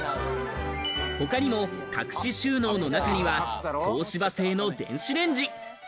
他にも隠し収納の中には東芝製の電子レンジ。